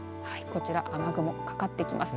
こちら雨雲かかってきます。